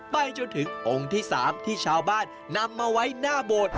ไปจนถึงองค์ที่๓ที่ชาวบ้านนำมาไว้หน้าโบสถ์